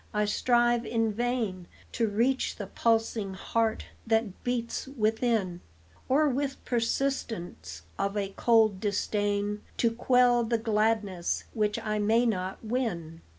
I strive in vain To reach the pulsing heart that beats within, Or with persistence of a cold disdain, To quell the gladness which I may not win.